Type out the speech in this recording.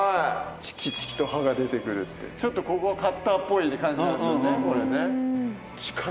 「チキチキと刃が出てくる‼」ってちょっとここがカッターっぽい感じなんですよねこれね。